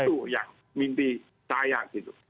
itu yang mimpi saya gitu